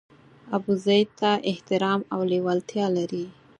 ابوزید ته احترام او لېوالتیا لري.